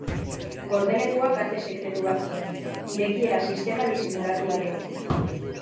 Gordelekuak ate sekretu bat zuen, irekiera sistema disimulatu batekin.